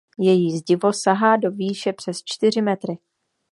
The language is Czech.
Její zdivo sahá do výše přes čtyři metry.